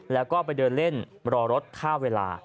แล้วก็ไปเดินเล่นรอรถค่าเวลา